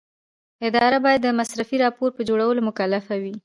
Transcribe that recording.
اداره باید د مصرفي راپور په جوړولو مکلفه وي.